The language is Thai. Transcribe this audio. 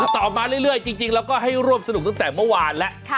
ตอบมาเรื่อยจริงเราก็ให้ร่วมสนุกตั้งแต่เมื่อวานแล้ว